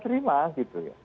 lima gitu ya